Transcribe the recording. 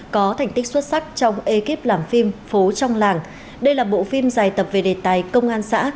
có thành tích xuất sắc trong ekip làm phim phố trong làng đây là bộ phim dài tập về đề tài công an xã